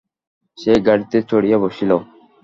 সে গাড়িতে চড়িয়া বসিল।